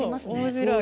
面白い。